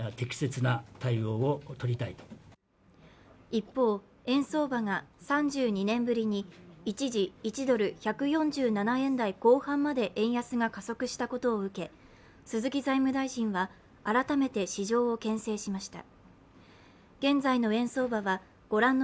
一方、円相場が３２年ぶりに一時１ドル＝１４７円台後半まで円安が加速したことを受け、鈴木財務大臣は改めて市場をけん制しました。